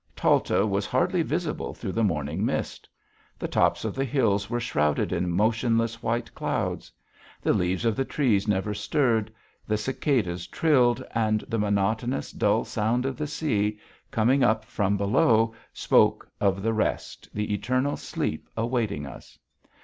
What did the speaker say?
Talta was hardly visible through the morning mist. The tops of the hills were shrouded in motionless white clouds. The leaves of the trees never stirred, the cicadas trilled, and the monotonous dull sound of the sea, coming up from below, spoke of the rest, the eternal sleep awaiting us.